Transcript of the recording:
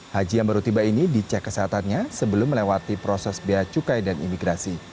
haji yang baru tiba ini dicek kesehatannya sebelum melewati proses bea cukai dan imigrasi